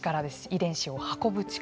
遺伝子を運ぶ力。